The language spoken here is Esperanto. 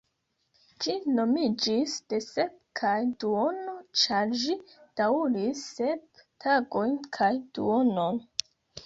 Ĝi nomiĝis "de sep kaj duono", ĉar ĝi daŭris sep tagojn kaj duonon.